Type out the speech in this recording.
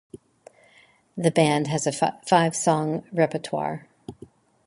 The band had a five-song repertoire.